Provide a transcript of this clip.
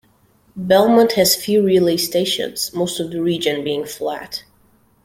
Belmont has few relay stations, most of the region being flat.